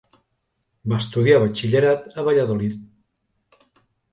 Va estudiar batxillerat a Valladolid.